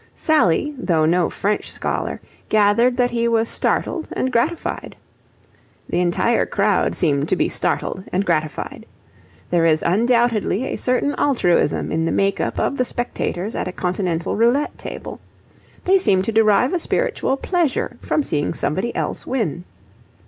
Sally, though no French scholar, gathered that he was startled and gratified. The entire crowd seemed to be startled and gratified. There is undoubtedly a certain altruism in the make up of the spectators at a Continental roulette table. They seem to derive a spiritual pleasure from seeing somebody else win.